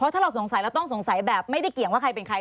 ถ้าเราต้องสงสัยแบบไม่ได้งั้นเป็นใคร